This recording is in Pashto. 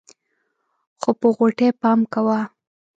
خو په غوټۍ پام کوه.